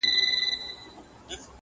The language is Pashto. شمع چي لمبه نه سي رڼا نه وي!.